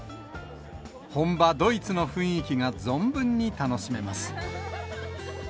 本場、ドイツの雰囲気が存分に楽しめます。